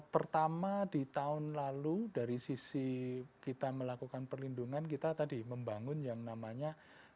pertama di tahun lalu dari sisi kita melakukan perlindungan kita tadi membangun yang namanya